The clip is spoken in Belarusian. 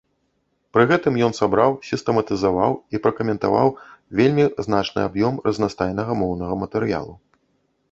Пры гэтым ён сабраў, сістэматызаваў і пракаментаваў вельмі значны аб'ём разнастайнага моўнага матэрыялу.